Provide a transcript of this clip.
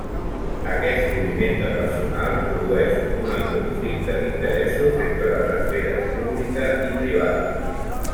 Aquest moviment de personal produeix un conflicte d'interessos entre les esferes pública i privada.